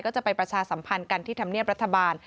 ก็จะไปประชาสัมพันธ์กันที่ธรรมเนียบรัฐบาล